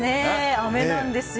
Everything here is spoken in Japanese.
飴なんですよ。